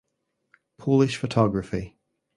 Polish photography.